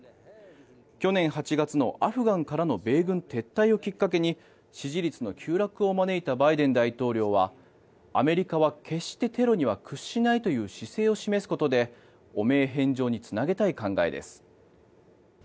去年８月のアフガンからの米軍撤退をきっかけに支持率の急落を招いたバイデン大統領はアメリカは決してテロには屈しないという姿勢を示すことで汚名返上につなげたい考えです。